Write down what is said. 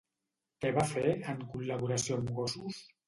Què va fer, en col·laboració amb Gossos?